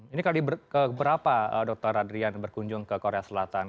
ini kali keberapa dr adrian berkunjung ke korea selatan